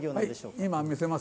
今、見せます。